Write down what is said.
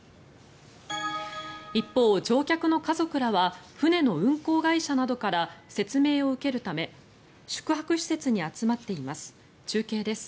一方、乗客の家族らは船の運航会社などから説明を受けるため宿泊施設に集まっています。